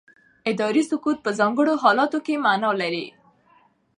اداري سکوت په ځانګړو حالاتو کې معنا لري.